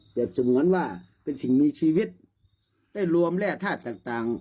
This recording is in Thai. เตร็จเสมือนว่าเป็นสิ่งมีชีวิตได้รวมและธาตุต่างต่าง